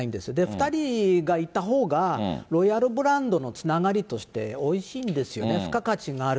２人が行ったほうがロイヤルブランドのつながりとして、おいしいんですよね、付加価値がある。